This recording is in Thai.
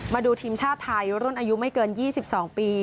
มาดูทีมชาติไทยรุ่นอายุไม่เกิน๒๒ปี